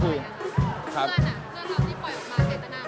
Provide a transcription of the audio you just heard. เพื่อนอ่ะที่ปล่อยออกมาในตอนนั้น